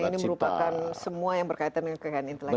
ini merupakan semua yang berkaitan dengan kekayaan intelektual